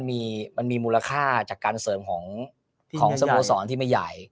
มันมีมูลค่าจากการเสริมของสโมสรที่ไม่ใหญ่